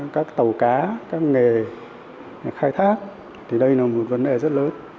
các tàu cá các nghề khai thác thì đây là một vấn đề rất lớn